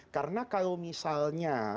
karena kalau misalnya